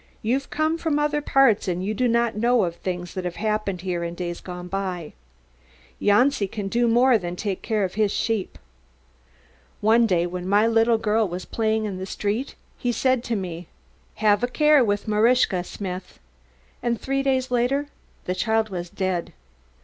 You've come from other parts and you do not know of things that have happened here in days gone by. Janci can do more than take care of his sheep. One day, when my little girl was playing in the street, he said to me, 'Have a care of Maruschka, smith!' and three days later the child was dead.